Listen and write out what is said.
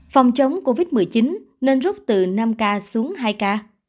phòng chống covid một mươi chín nên rút từ năm k xuống hai k